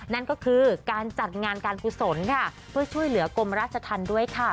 นั่นก็คือการจัดงานการกุศลค่ะเพื่อช่วยเหลือกรมราชธรรมด้วยค่ะ